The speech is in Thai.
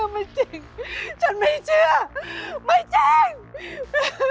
ไม่จริงฉันไม่เชื่อไม่แจ้ง